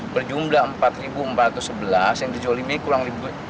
berjumlah empat empat ratus sebelas yang dijual ini kurang tiga enam ratus